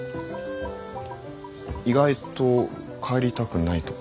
意外と帰りたくないとか？